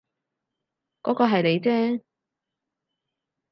嗰個係你啫